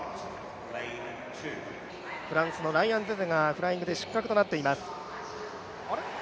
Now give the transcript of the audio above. フランスのライアン・ゼゼがフライングで失格となっています。